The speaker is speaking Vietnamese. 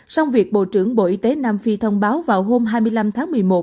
xong việc bộ trưởng bộ y tế nam phi thông báo vào hôm hai mươi năm tháng một mươi một